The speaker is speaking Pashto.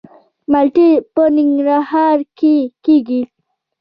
مالټې په ننګرهار کې کیږي